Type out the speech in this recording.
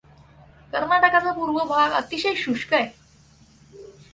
कर्नाटकाचा पूर्व भाग अतिशय शुष्क आहे.